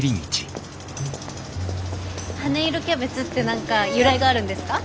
羽色キャベツって何か由来があるんですか？